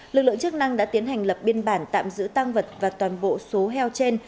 lực lượng chức năng đã tiến hành lập biên bản tạm giữ tăng vật và toàn bộ số heo trên